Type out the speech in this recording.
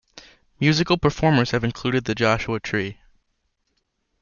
Musical performers have included The Joshua Tree.